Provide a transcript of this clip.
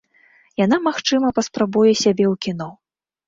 Яна, магчыма, паспрабуе сябе ў кіно.